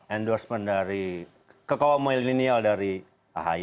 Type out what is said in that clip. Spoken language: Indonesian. endorsement dari kekawalan milenial dari ahy